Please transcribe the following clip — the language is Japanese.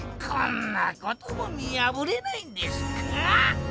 こんなことも見やぶれないんですか